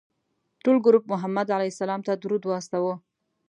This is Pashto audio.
ټول ګروپ محمد علیه السلام ته درود واستوه.